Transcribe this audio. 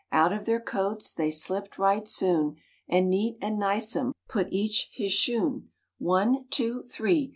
Out of their coats They slipped right soon, And neat and nicesome Put each his shoon. One Two Three